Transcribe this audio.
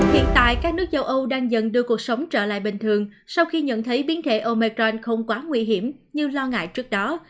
hiện tại các nước châu âu đang dần đưa cuộc sống trở lại bình thường sau khi nhận thấy biến thể omecron không quá nguy hiểm như lo ngại trước đó